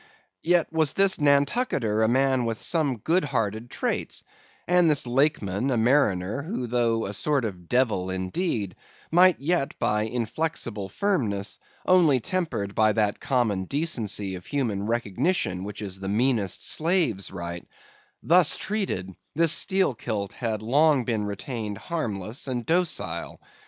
Yet was this Nantucketer a man with some good hearted traits; and this Lakeman, a mariner, who though a sort of devil indeed, might yet by inflexible firmness, only tempered by that common decency of human recognition which is the meanest slave's right; thus treated, this Steelkilt had long been retained harmless and docile.